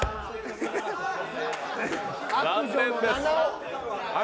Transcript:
残念です。